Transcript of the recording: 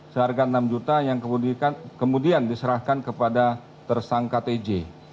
seharga enam juta yang kemudian diserahkan kepada tersangka tj